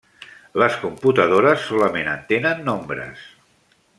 Les computadores solament entenen nombres.